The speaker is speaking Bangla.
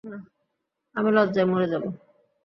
আমি লজ্জায় মরে যাব।